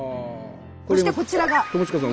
そしてこちらが。